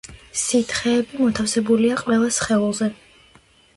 სითხეები მოთავსებულია ყველა სხეულზე